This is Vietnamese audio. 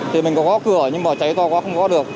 thì mình có góp cửa nhưng mà cháy to quá không góp được